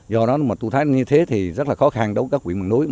do đó tôi thấy như thế thì rất là khó khăn đối với các huyện miền núi